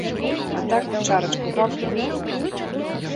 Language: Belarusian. А так, чарачку гакнуў!